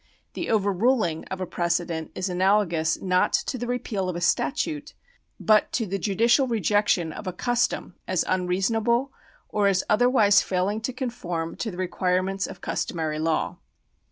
The overruling of a pre cedent is analogous not to the repeal of a statute, but to the judicial rejection of a custom as unreasonable or as otherwise failing to conform to the requirements of customary law.